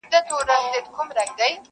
• حقيقت د وخت په تېرېدو کم نه کيږي..